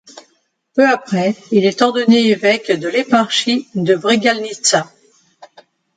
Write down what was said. Peu après, il est ordonné évêque de l'éparchie de Bregalnitsa.